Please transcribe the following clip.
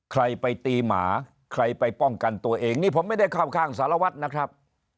ใครไปตีหมาใครไปป้องกันตัวเองนี่ผมไม่ได้เข้าข้างสารวัตรนะครับ